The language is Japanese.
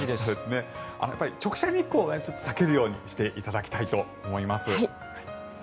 直射日光を避けるようにしていただきたいと思います。